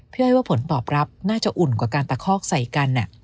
อ้อยว่าผลตอบรับน่าจะอุ่นกว่าการตะคอกใส่กัน